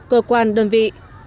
cơ quan đơn vị